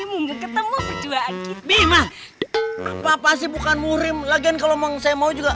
mungkin ketemu perjuangan bima apa sih bukan murim lagian kalau mau saya mau juga